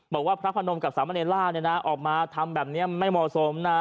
บอกว่าพระพนมกับสามเนรล่าเนี่ยนะออกมาทำแบบนี้ไม่เหมาะสมนะ